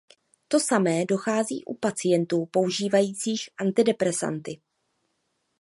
To samé dochází u pacientů používajících antidepresanty.